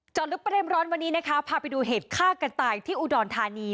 ลึกประเด็นร้อนวันนี้นะคะพาไปดูเหตุฆ่ากันตายที่อุดรธานี